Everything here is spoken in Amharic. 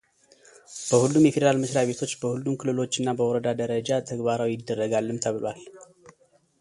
በሁሉም የፌዴራል መሥሪያ ቤቶች፣ በሁሉም ክልሎች እና በወረዳ ደረጃ ተግባራዊ ይደረጋልም ተብሏል።